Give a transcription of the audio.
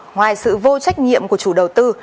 ngoài sự vô trách nhiệm của chủ đầu tư